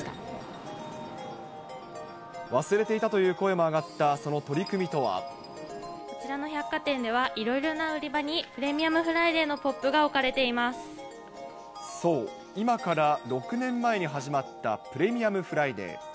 忘れていたという声も上がっこちらの百貨店では、いろいろな売り場にプレミアムフライデーのポップが置かれていまそう、今から６年前に始まったプレミアムフライデー。